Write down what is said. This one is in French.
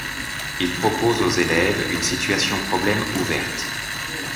Ils proposent aux élèves une situation problème ouverte.